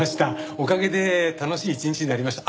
おかげで楽しい一日になりました。